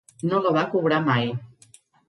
No la va cobrar mai.